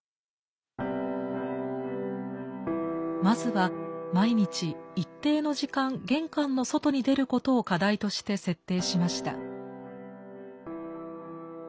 まずは毎日一定の時間玄関の外に出ることを課題として設定しました。